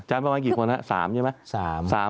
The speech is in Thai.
ประมาณกี่คนครับ๓ใช่ไหม